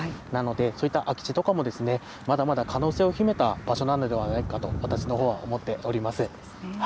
なので、そういった空き地とかもまだまだ可能性を秘めた場所なのではないかと、私のほうは思っております。